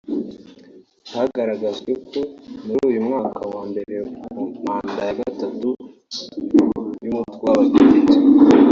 Hagaragajwe ko muri uyu mwaka wa mbere wa manda ya gatatu y’Umutwe w’Abadepite